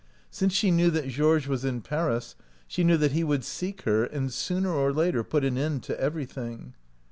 Since she knew that Georges was in Paris she knew that he would seek her and sooner or later put an end to everything.